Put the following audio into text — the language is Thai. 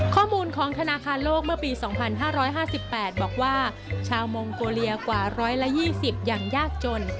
ข้อมูลของธนาคารโลกเมื่อปี๒๕๕๘บอกว่าชาวมองโกเลียกว่า๑๒๐อย่างยากจน